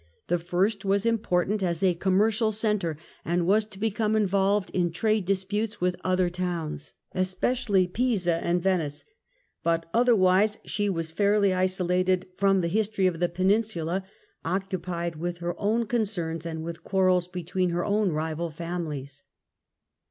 The first was important as a commercial centre, and was to become involved in trade disputes with other towns, especially Pisa and Venice ; but other wise she was fairly isolated from the history of the Penin sula, occupied with her own concerns and with quarrels between her own rival families.